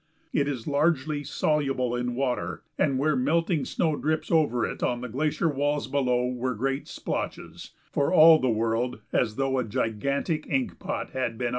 It is largely soluble in water, and where melting snow drips over it on the glacier walls below were great splotches, for all the world as though a gigantic ink pot had been upset.